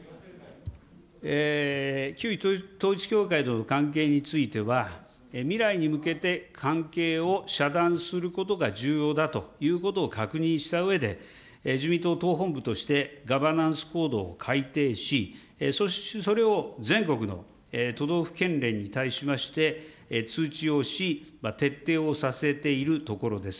旧統一教会との関係については、未来に向けて関係を遮断することが重要だということを確認したうえで、自民党党本部としてガバナンス・コードを改定し、そしてそれを全国の都道府県連に対しまして通知をし、徹底をさせているところです。